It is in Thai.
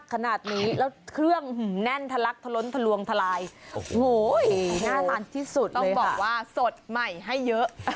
คิดเมื่อกี้เลยนะเนี่ย